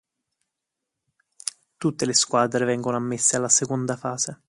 Tutte le squadre vengono ammesse alla seconda fase.